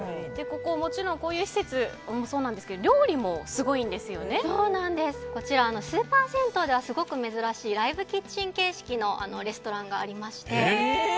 ここ、もちろんこういう施設もそうなんですけどスーパー銭湯ではすごく珍しいライブキッチン形式のレストランがありまして。